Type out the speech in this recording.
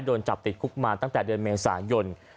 โดนจับติดคุกมาตั้งแต่เดือนเมษายน